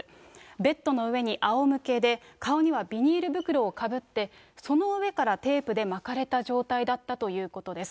ベッドの上にあおむけで、顔にはビニール袋をかぶって、その上からテープで巻かれた状態だったということです。